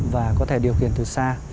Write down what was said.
và có thể điều khiển từ xa